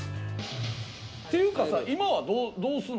というかさ、今はどうすんの？